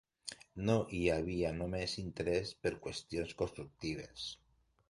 No hi havia només interès per qüestions constructives.